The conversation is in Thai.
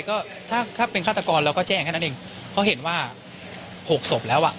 ก็ถ้าถ้าเป็นฆาตกรเราก็แจ้งแค่นั้นเองเพราะเห็นว่าหกศพแล้วอ่ะ